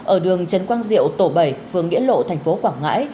ở đường trần quang diệu tổ bảy phường nghĩa lộ thành phố quảng ngãi